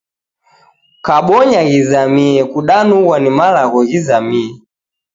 Kabonya ghizamie kudanughwa ni malagho ghizamie.